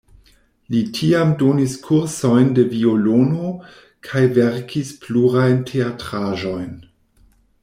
Li tiam donis kursojn de violono kaj verkis plurajn teatraĵojn.